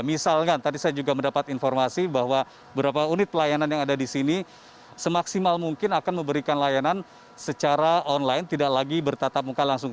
misalkan tadi saya juga mendapat informasi bahwa beberapa unit pelayanan yang ada di sini semaksimal mungkin akan memberikan layanan secara online tidak lagi bertatap muka langsung